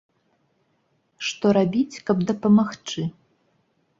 Што рабіць, каб дапамагчы?